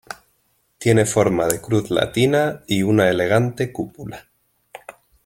Tiene forma de cruz latina y una elegante cúpula.